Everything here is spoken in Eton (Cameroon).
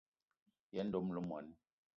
Yen dom le moní.